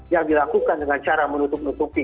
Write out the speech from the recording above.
yang dilakukan dengan cara menutup nutupi